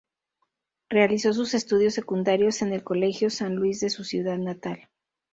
Realizó sus estudios secundarios en el Colegio San Luis de su ciudad natal.